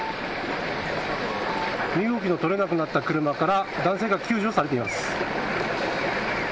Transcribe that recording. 身動きの取れなくなった車から男性が救助されています。